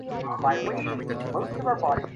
ভুলটা আসলে আমার লালন-পালনে।